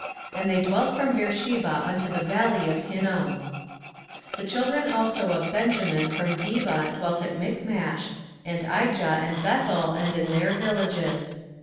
And they dwelt from Beersheba unto the valley of Hinnom. 16:011:031 The children also of Benjamin from Geba dwelt at Michmash, and Aija, and Bethel, and in their villages.